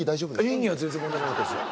演技は全然問題なかったですよ